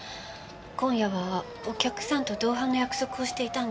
今夜はお客さんと同伴の約束をしていたんです。